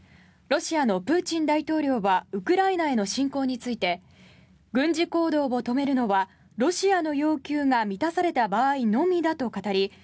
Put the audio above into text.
ロシアのプーチン大統領はウクライナへの侵攻について軍事行動を止めるのはロシアの要求が満たされた場合のみだと語り